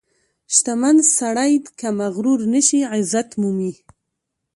• شتمن سړی که مغرور نشي، عزت مومي.